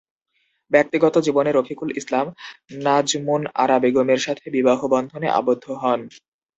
ব্যক্তিগত জীবনে রফিকুল ইসলাম, নাজমুন আরা বেগমের সাথে বিবাহ বন্ধনে আবদ্ধ হন।